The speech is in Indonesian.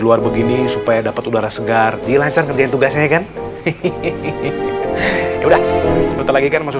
luar begini supaya dapat udara segar dilancarkan tugasnya kan hehehe udah seperti lagi kan masuk